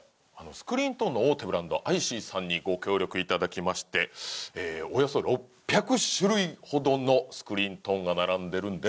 スクリーントーンの大手ブランドアイシーさんにご協力頂きましておよそ６００種類ほどのスクリーントーンが並んでいるんですが。